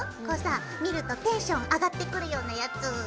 こうさ見るとテンション上がってくるようなやつ！